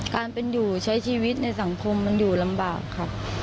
การเป็นอยู่ใช้ชีวิตในสังคมมันอยู่ลำบากครับ